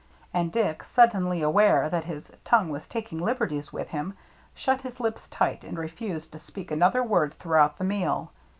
And Dick, suddenly aware that his tongue was taking liberties with him, shut his lips tight and refused to speak another word throughout the meal.